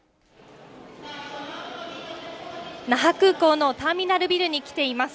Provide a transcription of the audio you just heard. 那覇空港のターミナルビルに来ています。